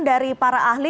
dari para ahli